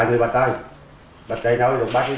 nhất trị chưa